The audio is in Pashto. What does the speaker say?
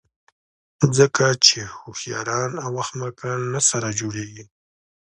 ځکه چې هوښیاران او احمقان نه سره جوړېږي.